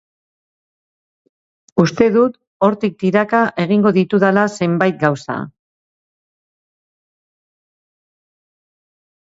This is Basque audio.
Uste dut hortik tiraka egingo ditudala zenbait gauza.